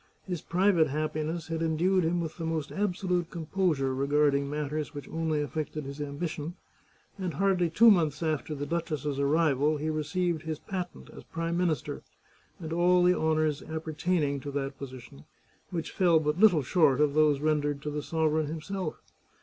His private happiness had endued him with the most absolute composure regard ing matters which only affected his ambition, and hardly two months after the duchess's arrival he received his patent as Prime Minister, and all the honours appertaining to that position, which fell but little short of those rendered to the sovereign himself.